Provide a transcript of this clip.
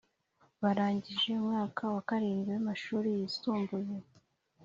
barangije umwaka wa karindwi w’amashuri yisumbuye